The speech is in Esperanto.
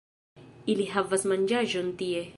Ili havas manĝaĵon tie